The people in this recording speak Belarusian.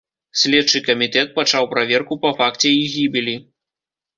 Следчы камітэт пачаў праверку па факце іх гібелі.